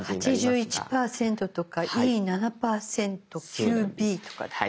８１％とかＥ７％９Ｂとかって。